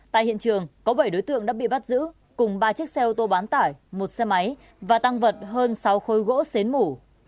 tại hiện trường có bảy đối tượng đã bị bắt giữ cùng ba chiếc xe ô tô bán tải một xe máy và tăng vật hơn sáu khối gỗ xến mủ